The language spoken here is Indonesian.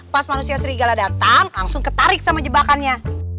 pas manusia serigala datang langsung ketarik sama jebakannya